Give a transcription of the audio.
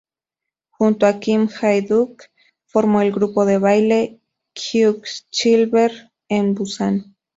Junto a Kim Jae-duck formó el grupo de baile "Quicksilver" en Busan.